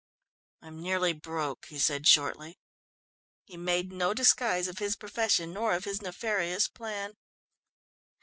"I'm nearly broke," he said shortly. He made no disguise of his profession, nor of his nefarious plan.